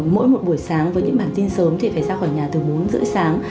mỗi một buổi sáng với những bản tin sớm thì phải ra khỏi nhà từ bốn h ba mươi sáng